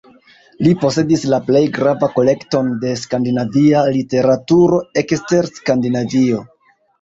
Li posedis la plej grava kolekton de skandinavia literaturo ekster Skandinavio.